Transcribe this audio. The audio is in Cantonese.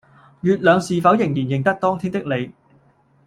月亮是否仍然認得當天的你